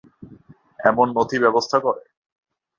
এমন নথি ব্যবস্থা করে?